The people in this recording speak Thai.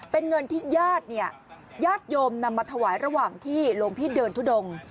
เป็นเงินที่ญาติเนี่ยญาติโยมนำมาถวายระหว่างที่หลวงพี่เดินทุดง